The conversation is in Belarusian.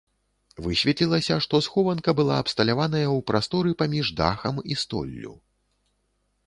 Высветлілася, што схованка была абсталяваная ў прасторы паміж дахам і столлю.